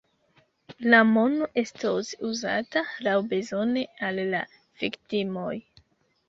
La mono estos uzata laŭbezone al la viktimoj.